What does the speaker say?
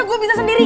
gua bisa sendiri